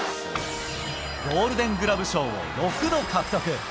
ゴールデングラブ賞を６度獲得。